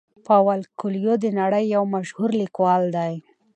پاولو کویلیو د نړۍ یو مشهور لیکوال دی.